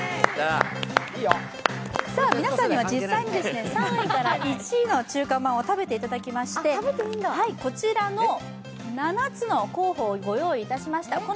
皆さんには実際に３位から１位の中華まんを食べていただきましてこちらの７つの候補をご用意しました。